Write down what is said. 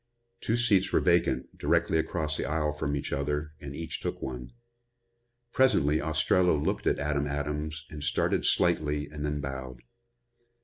Two seats were vacant, directly across the aisle from each other and each took one. Presently Ostrello looked at Adam Adams and started slightly and then bowed.